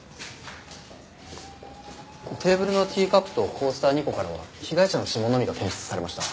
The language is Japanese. テーブルのティーカップとコースター２個からは被害者の指紋のみが検出されました。